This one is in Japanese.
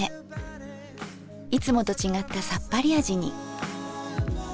いつもと違ったさっぱり味に。